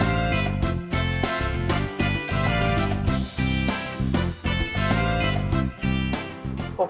อีกหน่อย